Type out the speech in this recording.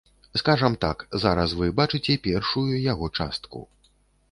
Скажам так, зараз вы бачыце першую яго частку.